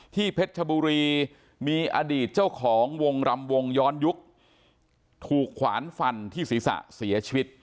เพชรชบุรีมีอดีตเจ้าของวงรำวงย้อนยุคถูกขวานฟันที่ศีรษะเสียชีวิต